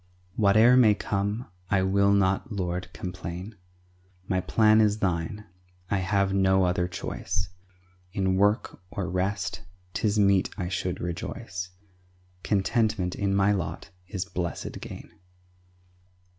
Whate'er may come, I will not, Lord, complain; My plan is Thine, I have no other choice. In work or rest 'tis meet I should rejoice; Contentment in my lot is blessed gain.